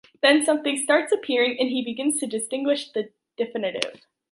Then something starts appearing and he begins to distinguish the definitive.